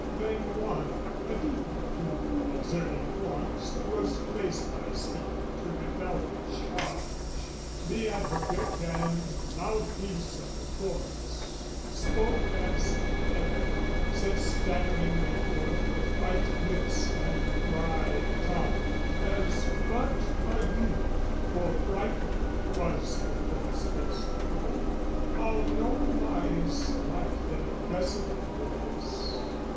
"Then one (a Deacon who, observing forms, "Was placed by Stephen to repel the charge, "Be advocate and mouthpiece of the corpse) "Spoke as he dared, set stammeringly forth "With white lips and dry tongue, as but a youth, "For frightful was the corpse face to behold, "How nowise lacked there precedent for this.